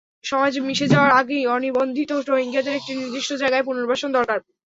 সমাজে মিশে যাওয়ার আগেই অনিবন্ধিত রোহিঙ্গাদের একটি নির্দিষ্ট জায়গায় পুনর্বাসন দরকার।